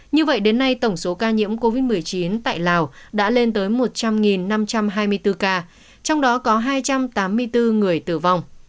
như vậy đến nay tổng số ca nhiễm covid một mươi chín tại lào đã lên tới một trăm linh năm trăm hai mươi bốn ca trong đó có hai trăm tám mươi bốn người tử vong